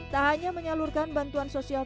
tak hanya menyalurkan bantuan sosial